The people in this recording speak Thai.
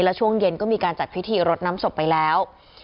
และช่วงเย็นก็มีการจัดพิธีรดน้ำศพไปแล้ว